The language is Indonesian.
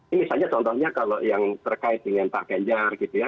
ini saja contohnya kalau yang terkait dengan pak ganjar gitu ya